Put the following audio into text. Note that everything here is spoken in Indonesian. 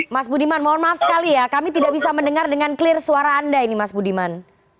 mas budiman mohon maaf sekali ya kami tidak bisa mendengar dengan clear suara anda ini mas budiman